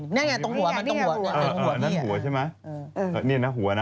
นี่ไงตรงหัว